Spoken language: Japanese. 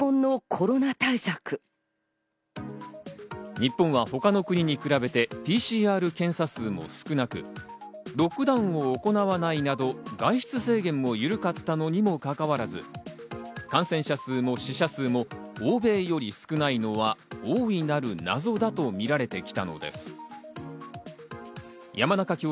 日本は他の国に比べてＰＣＲ検査数も少なく、ロックダウンを行わないなど外出制限も緩かったのにもかかわらず、感染者数も死者数も欧米より少ないのは大いなる謎だとみられてきたのです。